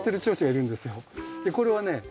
これはね